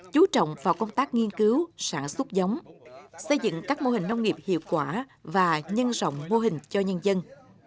chú trọng vào công tác nghiên cứu sản xuất giống xây dựng các mô hình nông nghiệp hiệu quả và nhân rộng mô hình cho nhân dân